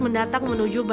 mendatang menuju tanah suci